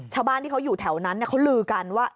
ชาวบ้านที่เขาอยู่แถวนั้นเขาลือกันว่า